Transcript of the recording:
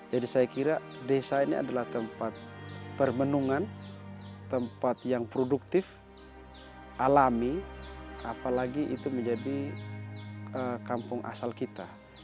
saya kira desa ini adalah tempat permenungan tempat yang produktif alami apalagi itu menjadi kampung asal kita